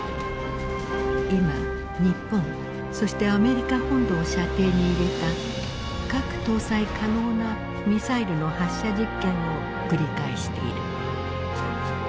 今日本そしてアメリカ本土を射程に入れた核搭載可能なミサイルの発射実験を繰り返している。